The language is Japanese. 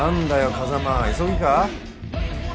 風真急ぎか？